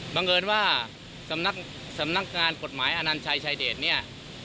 บังเกิดว่าสำนักงานกฎหมายอนัญชายชายเดชเนี่ย